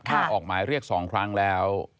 ถ้าออกหมายเรียก๒ครั้งแล้ว